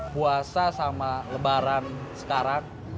puasa sama lebaran sekarang